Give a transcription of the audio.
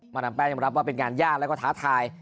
ดามแป้งยังรับว่าเป็นงานยากแล้วก็ท้าทาย